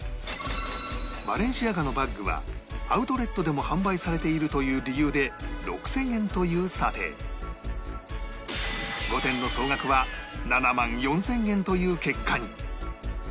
バレンシアガのバッグはアウトレットでも販売されているという理由で６０００円という査定という結果に